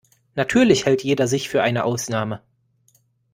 Natürlich hält jeder sich für eine Ausnahme.